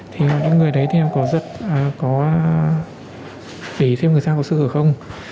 thì những người đấy thì em có giật có để xem người ta có sơ hở không